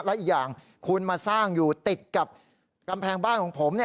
และอีกอย่างคุณมาสร้างอยู่ติดกับกำแพงบ้านของผม